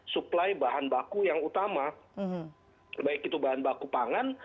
suplai bahan baku yang utama baik itu bahan baku pangan